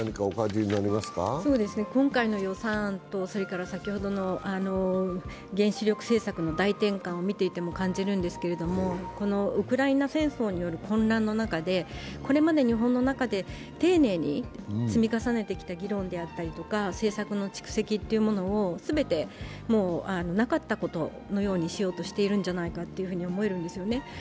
今回の予算と、先ほどの原子力政策の大転換を見ていても感じるんですけれども、ウクライナ戦争による混乱の中でこれまで日本の中で丁寧に積み重ねてきた議論であったりとか政策の蓄積というものを全てなかったことのようにしているんじゃないかと思えるんですよね。